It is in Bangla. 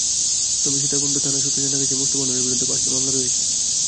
তবে সীতাকুণ্ড থানা সূত্রে জানা গেছে, মোস্তফা নূরের বিরুদ্ধে পাঁচটি মামলা রয়েছে।